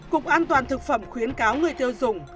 cục an toàn thực phẩm khuyến cáo người tiêu dùng